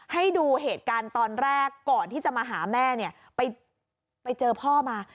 ให้ดูเหตุการณ์ตอนแรกก่อนที่จะมาหาแม่เนี่ยไปเจอพ่อมา